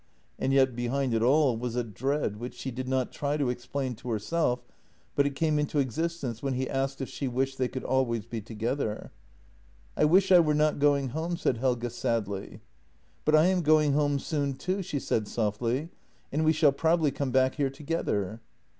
And yet behind it all was a dread, which she did not try to explain to herself, but it came into existence when he asked if she wished they could always be together. " I wish I were not going home," said Helge sadly. " But I am going home soon too," she said softly, " and we shall probably come back here together."